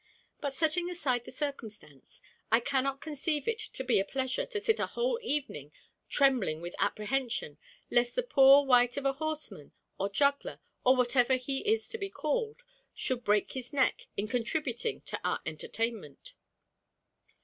But, setting aside the circumstance, I cannot conceive it to be a pleasure to sit a whole evening trembling with apprehension lest the poor wight of a horseman, or juggler, or whatever he is to be called, should break his neck in contributing to our entertainment.